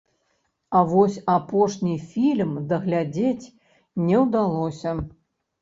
А вось апошні фільм даглядзець не ўдалося.